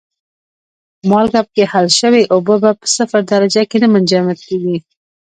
مالګه پکې حل شوې اوبه په صفر درجه کې نه منجمد کیږي.